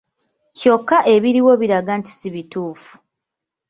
Kyokka ebiriwo biraga nti sibituufu.